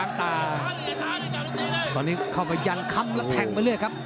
กว่านี้เข้าไปยั่นคำและแทงไปเรื่อยครับ